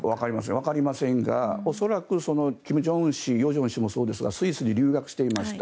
わかりませんが恐らく、金正恩氏与正氏もそうですがスイスに留学していました。